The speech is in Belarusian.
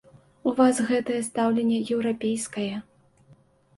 У вас гэтае стаўленне еўрапейскае.